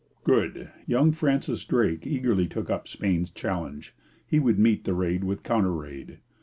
Good! Young Francis Drake eagerly took up Spain's challenge; he would meet the raid with counter raid.